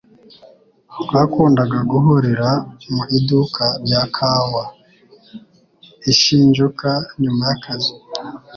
Twakundaga guhurira mu iduka rya kawa i Shinjuku nyuma yakazi.